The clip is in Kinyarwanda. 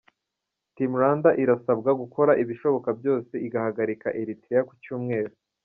Team Rwanda irasabwa gukora ibishoboka byose igahagarika Eritrea ku Cyumweru.